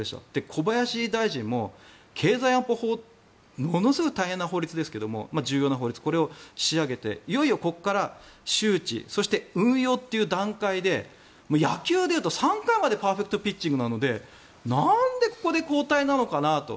小林大臣も経済安保法ものすごい大変な法律ですけど重要な法律、これを仕上げてここからいよいよ周知そして運用という段階で野球で言うと３回までパーフェクトピッチングなのでなんでここで交代なのかなと。